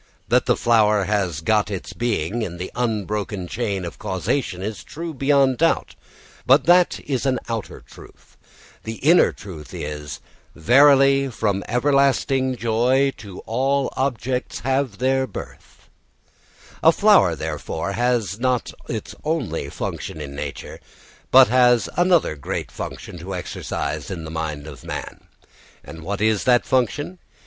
That the flower has got its being in the unbroken chain of causation is true beyond doubt; but that is an outer truth. The inner truth is: Verily from the everlasting joy do all objects have their birth. [Footnote: Ānandādhyēva khalvimāni bhūtāni jāyantē.] A flower, therefore, has not its only function in nature, but has another great function to exercise in the mind of man. And what is that function?